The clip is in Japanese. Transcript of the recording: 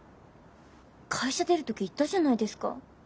会社出る時言ったじゃないですか。